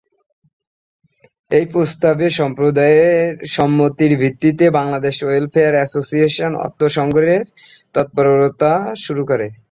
এই প্রস্তাবে সম্প্রদায়ের সম্মতির ভিত্তিতে বাংলাদেশ ওয়েলফেয়ার অ্যাসোসিয়েশন অর্থ সংগ্রহের তৎপরতা শুরু করে।